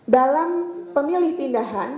dalam pemilih pindahan